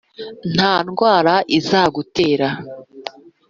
nta ndwara izagutera.